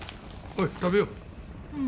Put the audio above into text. おい食べよう。